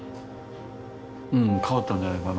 うん変わったんじゃないかな。